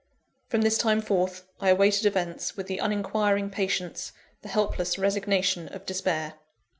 From this time forth, I awaited events with the uninquiring patience, the helpless resignation of despair.